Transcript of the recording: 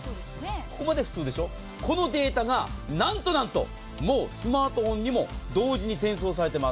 ここまでは普通でしょ、このデータがなんとなんと、もうスマートフォンにも同時に転送されています。